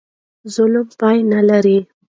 ظلم پای نه لري.